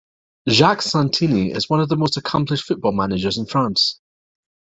Jacques Santini is one of the most accomplished football managers in France.